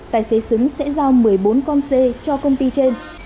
tài xế xứng sẽ giao một mươi bốn con c cho công ty trên